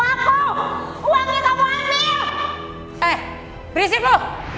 eh berisik lu